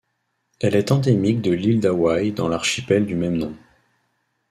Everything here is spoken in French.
Elle est endémique de l'île d'Hawaï dans l'archipel du même nom.